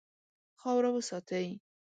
خاوره وساتئ.